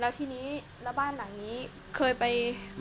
แล้วทีนี้แล้วบ้านหลังนี้เคยไป